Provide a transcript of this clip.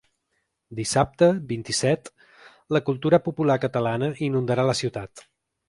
Dissabte, vint-i-set, la cultura popular catalana inundarà la ciutat.